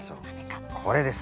これです。